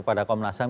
pada komnas ham